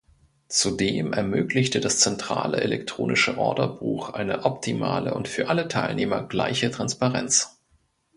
Zudem ermöglichte das zentrale elektronische Orderbuch eine optimale und für alle Teilnehmer gleiche Transparenz.